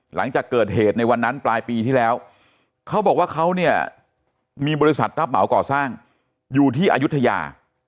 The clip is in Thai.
หลังจากเกิดเหตุในวันนั้นปลายปีที่แล้วเขาบอกว่าเขาเนี่ยมีบริษัทรับเหมาก่อสร้างอยู่ที่อายุทยา